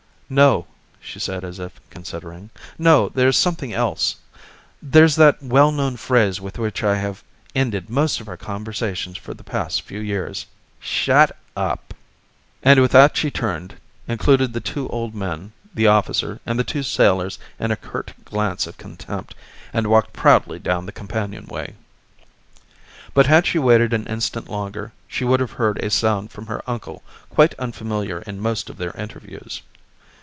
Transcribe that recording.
"No," she said as if considering. "No, there's something else. There's that well known phrase with which I have ended most of our conversations for the past few years 'Shut up!'" And with that she turned, included the two old men, the officer, and the two sailors in a curt glance of contempt, and walked proudly down the companionway. But had she waited an instant longer she would have heard a sound from her uncle quite unfamiliar in most of their interviews.